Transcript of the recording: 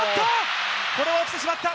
これは落ちてしまった。